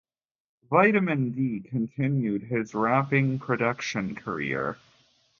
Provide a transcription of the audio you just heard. Vitamin D continued his rapping and production career.